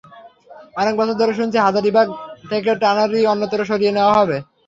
অনেক বছর ধরে শুনছি হাজারীবাগ থেকে ট্যানারি অন্যত্র সরিয়ে নেওয়া হবে।